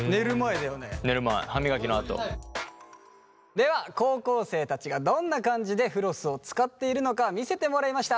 では高校生たちがどんな感じでフロスを使っているのか見せてもらいました。